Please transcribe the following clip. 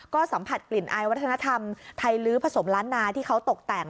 ก็สัมผัสกลิ่นอายวัฒนธรรมไทยลื้อผสมล้านนาที่เขาตกแต่ง